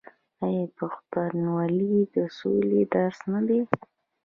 آیا پښتونولي د سولې درس نه دی؟